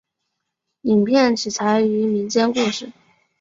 影片取材于民间故事。